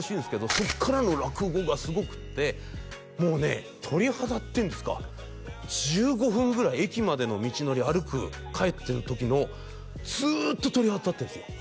そっからの落語がすごくてもうね鳥肌っていうんですか１５分ぐらい駅までの道のりを歩く帰ってる時もずっと鳥肌立ってるんですよ